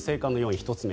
１つ目